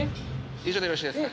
以上でよろしいですか？